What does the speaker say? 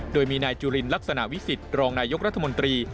โดยมีนายจุลินลักษณะวิสิตรองนายกรัฐมนตรี